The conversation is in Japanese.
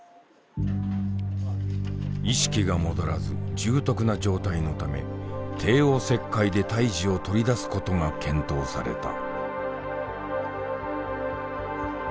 意識が戻らず重篤な状態のため帝王切開で胎児を取り出すことが検討された。